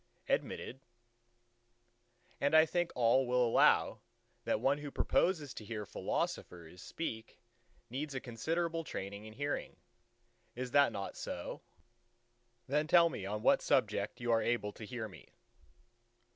"Admitted." "And I think all will allow that one who proposes to hear philosophers speak needs a considerable training in hearing. Is that not so? The tell me on what subject your are able to hear me."